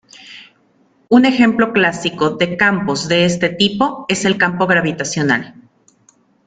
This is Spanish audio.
Un ejemplo clásico de campos de este tipo es el campo gravitacional.